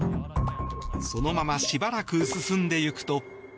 そのまましばらく進んでいくと。